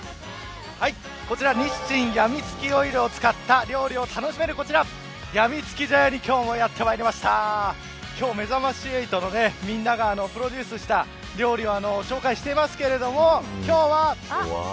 こちら日清やみつきオイルを使った料理を楽しめるこちらやみつき茶屋に今日はやってまいりました今日、めざまし８のみんながプロデュースした私ですか。